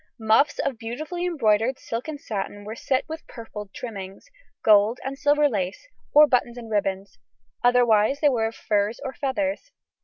Muffs of beautifully embroidered silk and satin were set with purfled trimmings, gold and silver lace, or bows and ribbons; otherwise they were of furs or feathers.